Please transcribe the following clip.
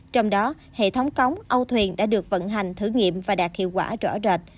trong đó hệ thống cống âu thuyền đã được vận hành thử nghiệm và đạt hiệu quả rõ rệt